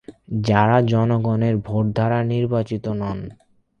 যারা জনগণের ভোট দ্বারা নির্বাচিত নন।